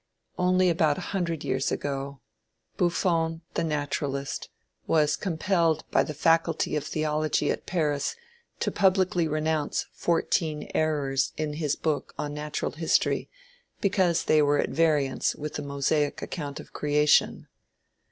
Only about a hundred years ago, Buffon, the naturalist, was compelled by the faculty of theology at Paris to publicly renounce fourteen "errors" in his work on Natural History because they were at variance with the Mosaic account of creation.